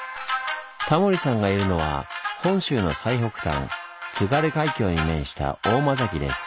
タモリさんがいるのは本州の最北端津軽海峡に面した大間崎です。